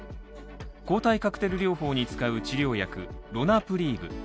抗体カクテル療法に使う治療薬ロナプリーブ。